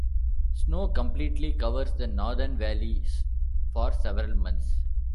Snow completely covers the northern valleys for several months.